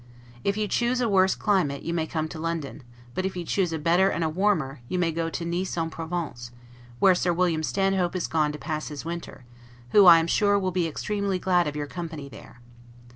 If you choose a worse climate, you may come to London; but if you choose a better and a warmer, you may go to Nice en Provence, where Sir William Stanhope is gone to pass his winter, who, I am sure, will be extremely glad of your company there.